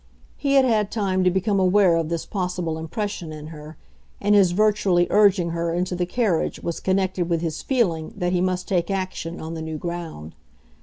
He had had time to become aware of this possible impression in her, and his virtually urging her into the carriage was connected with his feeling that he must take action on the new ground.